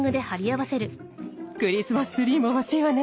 クリスマスツリーも欲しいわね。